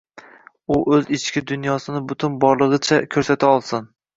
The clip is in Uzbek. U o’z ichki dunyosini butun borlig’icha ko’rsata olsin.